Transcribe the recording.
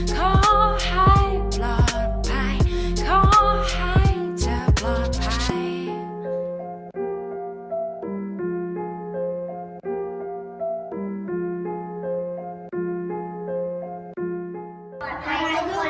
ขอให้ปลอดภัยขอให้เธอปลอดภัย